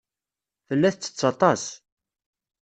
Tella tettett aṭas.